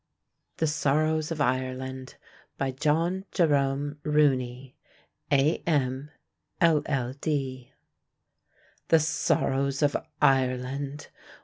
THE SORROWS OF IRELAND By JOHN JEROME ROONEY, A.M., LL.D "The sorrows of Ireland"!